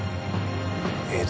江戸？